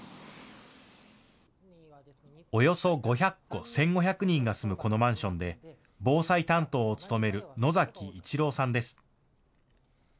およそ５００戸１５００人が住むこのマンションで防災担当を務める野崎一郎さんです。